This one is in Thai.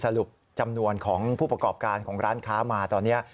สรุปจำนวนของผู้ประกอบการของร้านค้ามาตอนนี้